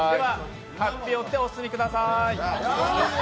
法被を着てお進みください。